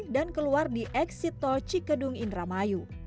dan keluar di exit tol cikedung indramayu